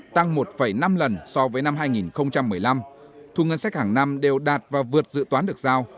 tăng một năm lần so với năm hai nghìn một mươi năm thu ngân sách hàng năm đều đạt và vượt dự toán được giao